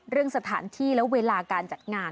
เรื่องสถานที่และเวลาการจัดงาน